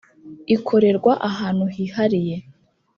ikorerwa ahantu hihariye